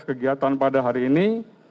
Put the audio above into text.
kegiatan pada hari ini